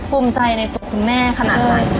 ภูมิใจในตัวคุณแม่ขนาดไหน